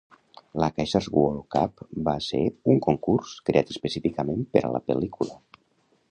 La Caesars World Cup va ser un concurs creat específicament per a la pel·lícula.